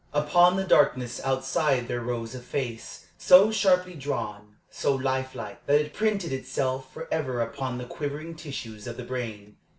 Upon the darkness outside there rose a face, so sharply drawn, so life like, that it printed itself forever upon the quivering tissues of the brain.